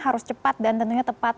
harus cepat dan tentunya tepat